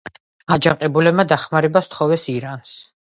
აჯანყებულებმა დახმარება სთხოვეს ირანს.